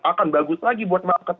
akan bagus lagi buat market